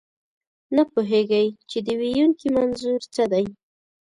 نه پوهېږئ، چې د ویونکي منظور څه دی.